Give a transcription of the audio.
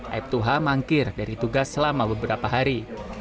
aiptu h mangkir dari tugas selama beberapa hari